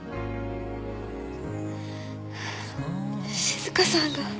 静香さんが。